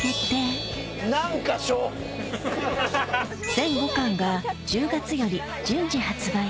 全５巻が１０月より順次発売